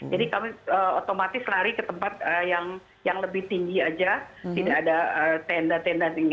jadi kami otomatis lari ke tempat yang lebih tinggi saja tidak ada tenda tenda